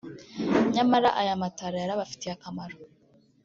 nyamara aya matara yari abafitiye akamaro